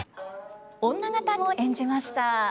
女方を演じました。